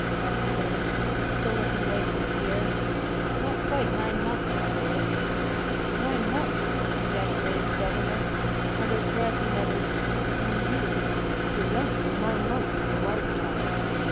asked the man, still looking away from Pierre. "Not quite nine months, my lord." "Nine months!" ejaculated the Governor. Under his breath he muttered, "Mon Dieu! to a youngster nine months is a lifetime."